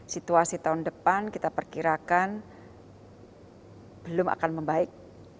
situasi tahun depan kita perkirakan belum akan membaik